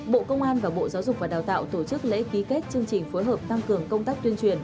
bộ công an và bộ giáo dục và đào tạo tổ chức lễ ký kết chương trình phối hợp tăng cường công tác tuyên truyền